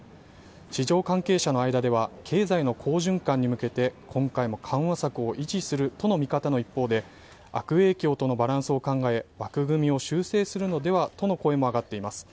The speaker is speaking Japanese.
市場関係者の間では経済の好循環に向けて今回も緩和策を維持するとの見方の一方で悪影響とのバランスを考え枠組みを修正するのではとの声も上がっています。